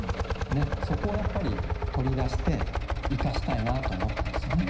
そこをやっぱり取り出して生かしたいなと思ったんですよね。